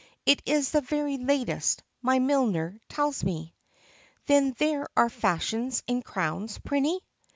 "It is the very latest, my milliner tells me." "Then there are fashions in crowns, Prinny?"